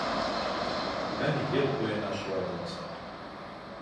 Мең йыл буйына шулай буласаҡ.